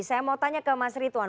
saya mau tanya ke mas rituan